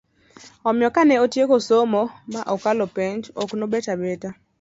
omiyo kane osetieko somo ma okalo penj, ok ne obet abeta